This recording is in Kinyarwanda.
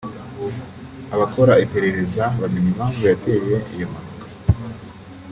abakora iperereza bamenya impamvu yateye iyo mpanuka